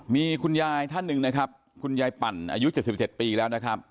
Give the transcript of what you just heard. มีคุณยายท่านหนึ่งนะครับคุณยายปั่นอายุ๗๗ปีแล้วนะครับ